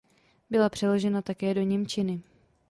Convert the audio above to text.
Byla přeložena také do němčiny.